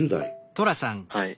はい。